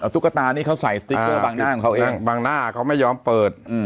ตุ๊กตานี่เขาใส่สติ๊กเกอร์บางหน้าของเขาเองบางหน้าเขาไม่ยอมเปิด